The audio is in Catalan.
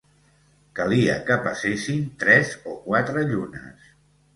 Calia que passessin tres o quatre llunes